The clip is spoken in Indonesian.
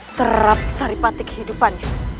serap saripatik kehidupannya